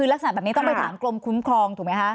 คือลักษณะแบบนี้ต้องไปถามกรมคุ้มครองถูกไหมคะ